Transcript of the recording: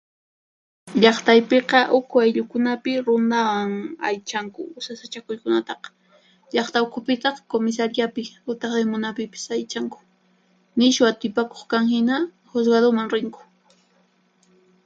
Llaqtaypiqa ukhu ayllukunapi Rundawan allichanku sasachakuykunataqa, llaqta ukhupitaq Kumisariyapi utaq Timunapipis allichanku. Nishu atipakuq kan hina, Huskatuman rinku.